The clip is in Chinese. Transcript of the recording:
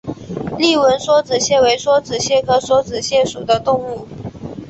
丽纹梭子蟹为梭子蟹科梭子蟹属的动物。